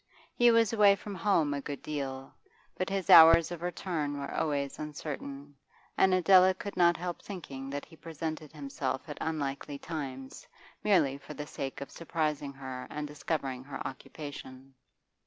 He was away from home a good deal, but his hours of return were always uncertain, and Adela could not help thinking that he presented himself at unlikely times, merely for the sake of surprising her and discovering her occupation.